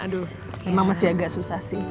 aduh emang masih agak susah sih